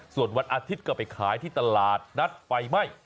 ส่วนวันอาทิตย์ก็ไปขายที่ตลาดนัดไฟไหม้